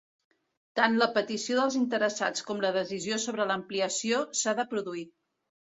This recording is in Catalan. Tant la petició dels interessats com la decisió sobre l'ampliació s'ha de produir.